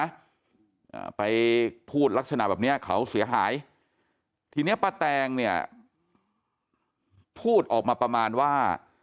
อ่าไปพูดลักษณะแบบเนี้ยเขาเสียหายทีเนี้ยป้าแตงเนี่ยพูดออกมาประมาณว่า